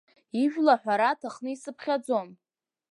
Ижәла аҳәара аҭахны исыԥхьаӡом.